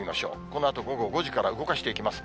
このあと午後５時から動かしていきます。